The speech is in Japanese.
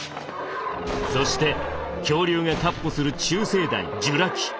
そして恐竜が闊歩する中生代ジュラ紀。